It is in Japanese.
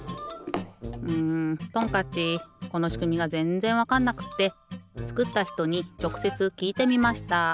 んトンカッチこのしくみがぜんぜんわかんなくってつくったひとにちょくせつきいてみました。